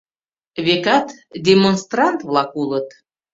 Векат, демонстрант-влак улыт.